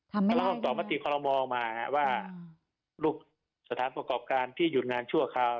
ทำไม่ได้รับคำตอบมาตีคอรมมอลมาว่าลูกสถานประกอบการที่หยุดงานชั่วคราว